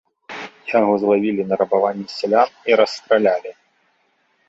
Яго злавілі на рабаванні сялян і расстралялі.